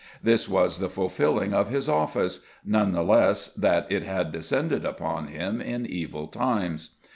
This was the fulfilling of his office none the less that it had descended upon him in evil times.